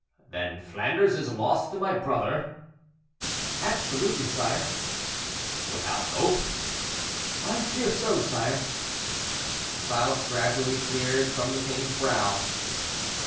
"Then Flanders is lost to my brother?" "Absolutely, sire." "Without hope?" "I fear so, sire." The clouds gradually cleared from the king's brow.